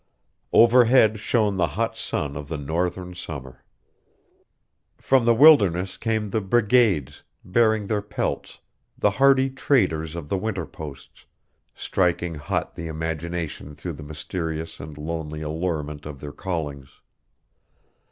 Overhead shone the hot sun of the Northern summer. From the wilderness came the brigades bearing their pelts, the hardy traders of the winter posts, striking hot the imagination through the mysterious and lonely allurement of their callings.